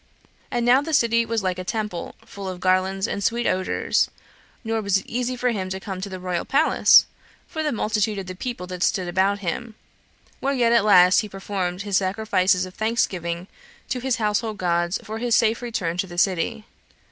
And now the city was like a temple, full of garlands and sweet odors; nor was it easy for him to come to the royal palace, for the multitude of the people that stood about him, where yet at last he performed his sacrifices of thanksgiving to his household gods for his safe return to the city.